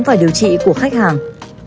và điều trị của khách hàng